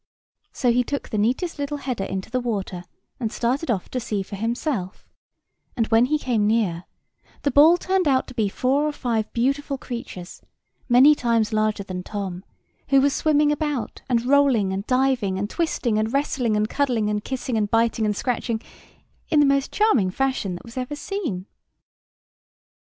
So he took the neatest little header into the water, and started off to see for himself; and, when he came near, the ball turned out to be four or five beautiful creatures, many times larger than Tom, who were swimming about, and rolling, and diving, and twisting, and wrestling, and cuddling, and kissing and biting, and scratching, in the most charming fashion that ever was seen.